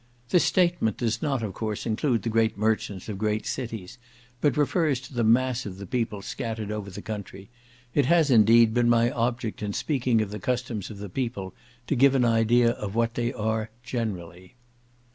This statement does not, of course, include the great merchants of great cities, but refers to the mass of the people scattered over the country; it has, indeed, been my object, in speaking of the customs of the people, to give an idea of what they are generally.